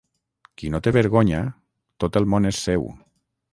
Qui no té vergonya, tot el món és seu.